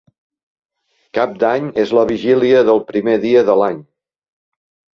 Cap d'Any és la vigília del primer dia de l'any.